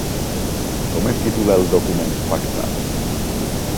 Com es titula el document pactat?